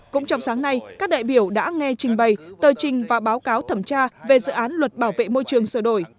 cũng trong sáng nay các đại biểu đã nghe trình bày tờ trình và báo cáo thẩm tra về dự án luật bảo vệ môi trường sửa đổi